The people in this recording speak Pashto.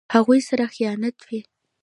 هغوی سره خیانت وي.